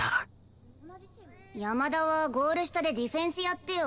山田はゴール下でディフェンスやってよ。